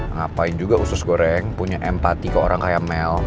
ngapain juga usus goreng punya empati ke orang kayak mel